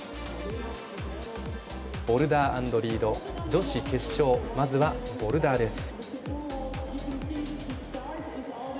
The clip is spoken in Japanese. ボルダー＆リード、女子決勝まずはボルダーです。